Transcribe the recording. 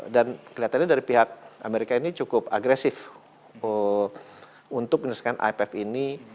dan kelihatannya dari pihak amerika ini cukup agresif untuk menuliskan ipf ini